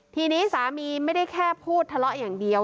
ทีนี้สามีไม่ได้แค่พูดทะเลาะอย่างเดียว